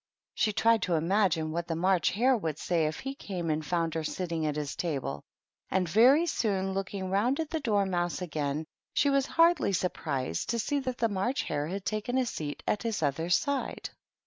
She tried to imagine what the March Hare would say if he came and found her sitting at his table ; and very soon, looking round at the Dormouse again, she was hardly surprised to see that the March Hare had taken a seat at his other side.